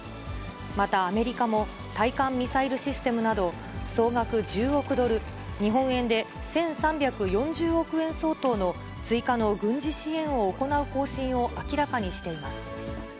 またアメリカも、対艦ミサイルシステムなど、総額１０億ドル、日本円で１３４０億円相当の追加の軍事支援を行う方針を明らかにしています。